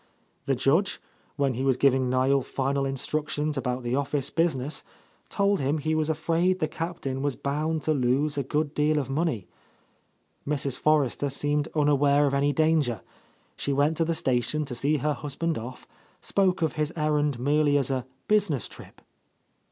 The Judge, when he was giving Niel final instructions about the office business, told him he was afraid the Captain was bound to lose a good deal of money. —8 a— A Lost Lady Mrs. Forrester seemed unaware of any dan ger; she went to the station to see her husband off, spoke of his errand merely as a "business trip."